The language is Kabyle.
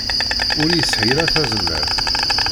Ur yesɛi ara tazmert.